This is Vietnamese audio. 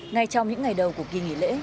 ngay trong những ngày đầu của kỳ nghỉ lễ